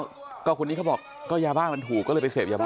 เพราะคนนี้ก็บอกราคาถูกก็เลยเสพยาว